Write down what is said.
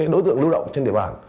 đối tượng lưu động trên địa bàn